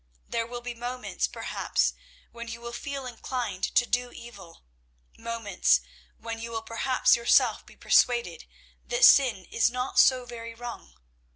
There will be moments perhaps when you will feel inclined to do evil; moments when you will perhaps yourself be persuaded that sin is not so very wrong.